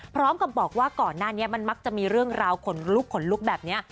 พร้อมกับบอกว่าก่อนหน้านี้มันมักจะมีเรื่องราวขนลุกขนลุกแบบนี้